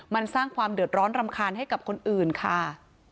มันสร้างความเดือดร้อนรำคาญให้กับคนอื่นค่ะ